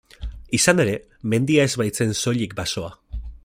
Izan ere, mendia ez baitzen soilik basoa.